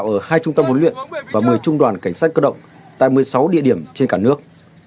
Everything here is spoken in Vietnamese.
các trẻ được đào tạo ở hai trung tâm huấn luyện và một mươi trung đoàn cảnh sát cơ động tại một mươi sáu địa điểm trên cả nước